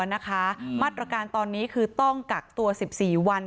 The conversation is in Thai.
มาตรการตอนนี้คือต้องกักตัว๑๔วัน